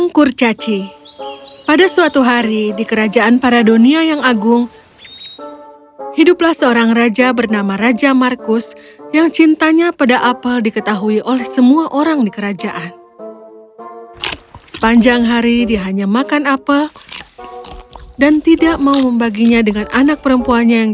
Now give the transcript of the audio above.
kau tahu aku mencintaimu almau